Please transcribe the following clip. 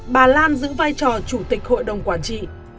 bà lan giữ vai trò chủ tịch hội đồng quản trị